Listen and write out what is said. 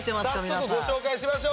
早速ご紹介しましょう。